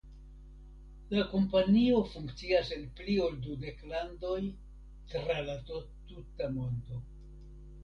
La kompanio funkcias en pli ol dudek landoj tra la tuta mondo.